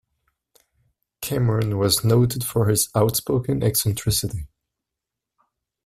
Cameron was noted for his outspoken eccentricity.